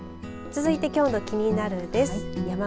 続いてきょうのキニナル！です。